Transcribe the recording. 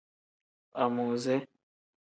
Amuuze.